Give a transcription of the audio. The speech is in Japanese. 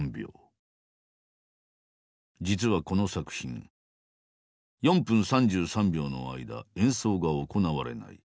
実はこの作品４分３３秒の間演奏が行われない。